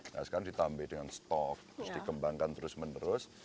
nah sekarang ditambah dengan stok terus dikembangkan terus menerus